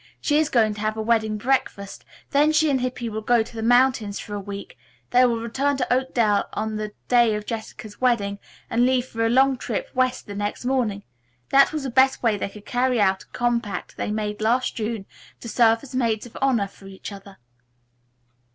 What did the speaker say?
She is going to have a wedding breakfast, then she and Hippy will go to the mountains for a week. They will return to Oakdale on the day of Jessica's wedding, and leave for a long trip west the next morning. That was the best way they could carry out a compact they made last June to serve as maids of honor for each other."